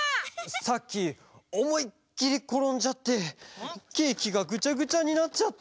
さっきおもいっきりころんじゃってケーキがぐちゃぐちゃになっちゃった。